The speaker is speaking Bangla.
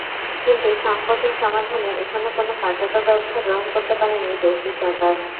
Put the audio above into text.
কিন্তু সংকটের সমাধানে এখনো কোনো কার্যকর ব্যবস্থা গ্রহণ করতে পারেনি দেশটির সরকার।